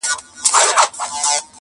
چي تا نه مني داټوله ناپوهان دي-